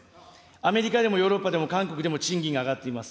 アメリカでもヨーロッパでも韓国でも賃金が上がっています。